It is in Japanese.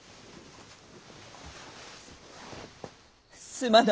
すまぬ！